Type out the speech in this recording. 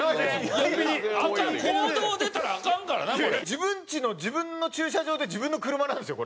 自分ちの自分の駐車場で自分の車なんですよ